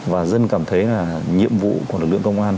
và dân cảm thấy là nhiệm vụ của lực lượng công an